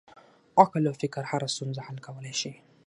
عقل او فکر هره ستونزه حل کولی شي.